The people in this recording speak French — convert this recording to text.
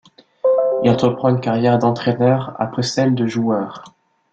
Il entreprend une carrière d'entraîneur après celle de joueur.